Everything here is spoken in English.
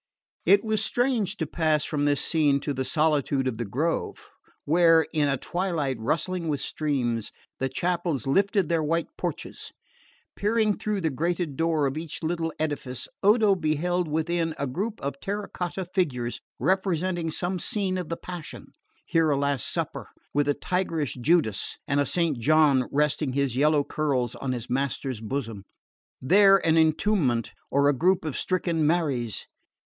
It was strange to pass from this scene to the solitude of the grove, where, in a twilight rustling with streams, the chapels lifted their white porches. Peering through the grated door of each little edifice, Odo beheld within a group of terra cotta figures representing some scene of the Passion here a Last Supper, with a tigerish Judas and a Saint John resting his yellow curls on his Master's bosom, there an Entombment or a group of stricken Maries.